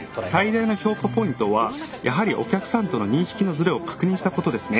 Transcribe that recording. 最大の評価ポイントはやはりお客さんとの認識のズレを確認したことですね。